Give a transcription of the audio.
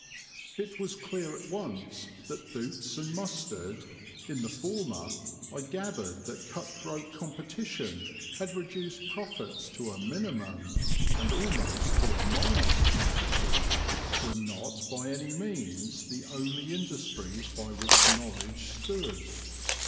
It was clear at once that boots and mustard in the former I gathered that cut throat competition had reduced profits to a minimum and almost to a minus quantity were not by any means the only industries by which Norwich stood.